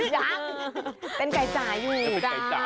ยังเป็นไก่จ๋าอยู่